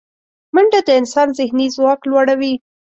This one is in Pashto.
منډه د انسان ذهني ځواک لوړوي